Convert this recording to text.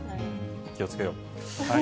気をつけよう。